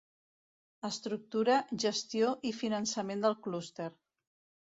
Estructura, gestió i finançament del clúster.